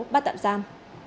bắt tạm giam